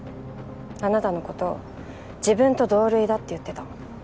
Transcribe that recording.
あなたの事自分と同類だって言ってた。